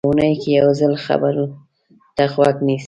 په اوونۍ کې یو ځل خبرو ته غوږ نیسي.